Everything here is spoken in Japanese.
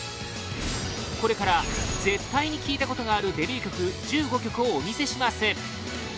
これから絶対に聴いたことがあるデビュー曲１５曲をお見せします